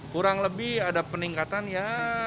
kurang lebih ada peningkatan ya